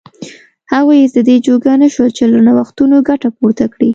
هغوی هېڅ د دې جوګه نه شول چې له نوښتونو ګټه پورته کړي.